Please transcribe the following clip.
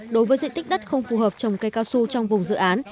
đối với diện tích đất không phù hợp trồng cây cao su trong vùng dự án